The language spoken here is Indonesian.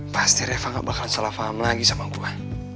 pasti reva gak bakalan salah faham lagi sama gue